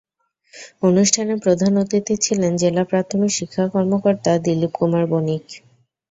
অনুষ্ঠানে প্রধান অতিথি ছিলেন জেলা প্রাথমিক শিক্ষা কর্মকর্তা দিলীপ কুমার বণিক।